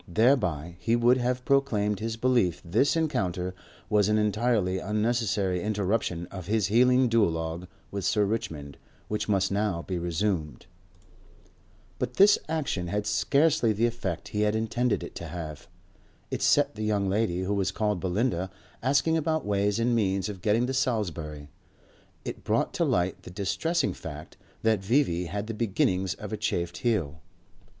Thereby he would have proclaimed his belief this encounter was an entirely unnecessary interruption of his healing duologue with Sir Richmond, which must now be resumed. But this action had scarcely the effect he had intended it to have. It set the young lady who was called Belinda asking about ways and means of getting to Salisbury; it brought to light the distressing fact that V.V. had the beginnings of a chafed heel.